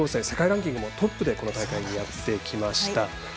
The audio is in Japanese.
世界ランキングトップでこの大会にやってきました。